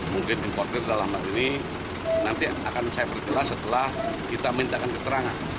mungkin importer dalam hal ini nanti akan saya perjelas setelah kita mintakan keterangan